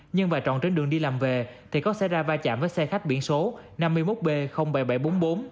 nhưng bà trọn trên đường đi làm về thì có xe ra va chạm với xe khách biển số năm mươi một b bảy nghìn bảy trăm bốn mươi bốn